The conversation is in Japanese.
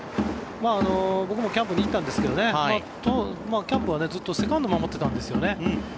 僕もキャンプに行ったんですけどキャンプはずっとセカンドを守ってたんですよね。